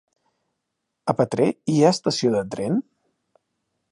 A Petrer hi ha estació de tren?